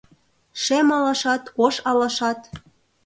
Шем алашат, ош алашат